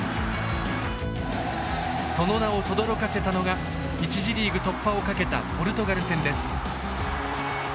その名をとどろかせたのが１次リーグ突破をかけたポルトガル戦です。